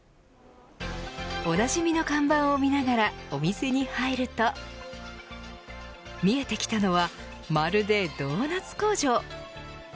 おなじみの看板を見ながらお店に入ると見えてきたのはまるでドーナツ工場。